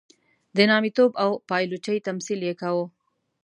د نامیتوب او پایلوچۍ تمثیل یې کاوه.